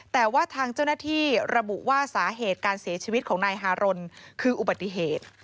แต่ว่าทางเจ้าหน้าที่ระบุว่าสาเหตุการเสียชีวิตของนายฮารนคืออุบัติเหตุ